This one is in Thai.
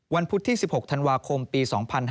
วันพุทธ๑๖ธันวาคมปี๒๕๕๘